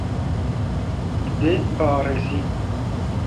Tu dê biarêsî.